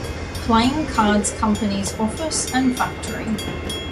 Playing Card Company's office and factory.